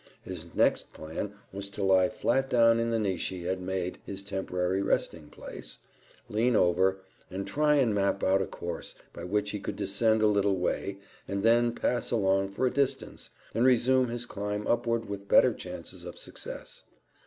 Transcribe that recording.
His next plan was to lie flat down in the niche he had made his temporary resting place, lean over, and try and map out a course by which he could descend a little way and then pass along for a distance, and resume his climb upward with better chances of success.